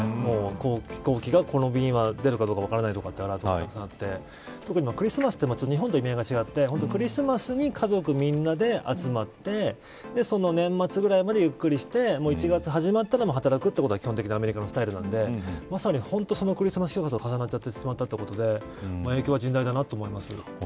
飛行機がこの便が出るかどうか分からないというアラートがたくさんあって特にクリスマスは日本と意味合いが違ってクリスマスに家族みんなで集まって年末ぐらいまでゆっくりして１月始まったら働くのは基本的なアメリカのスタイルなんでまさにクリスマス休暇と重なってしまったということで影響は甚大だと思います。